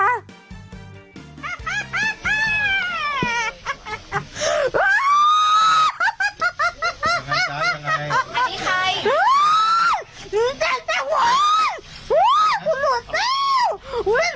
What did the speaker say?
อันนี้ใคร